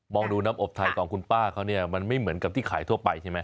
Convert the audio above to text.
องดูน้ำอบไทยของคุณป้าเขาเนี่ยมันไม่เหมือนกับที่ขายทั่วไปใช่ไหม